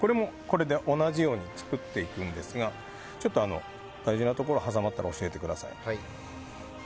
同じように作っていくんですがちょっと大事なところ挟まったら教えてください。